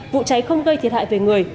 vụ cháy không gây thiệt hại về người